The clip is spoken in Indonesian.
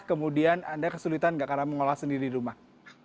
kemudian anda kesulitan nggak karena mengolah sendiri di rumah